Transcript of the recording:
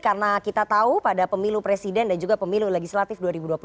karena kita tahu pada pemilu presiden dan juga pemilu legislatif dua ribu dua puluh empat